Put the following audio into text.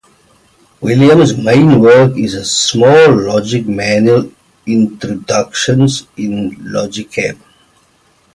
William's main work is a small logic manual, "Introductiones in logicam".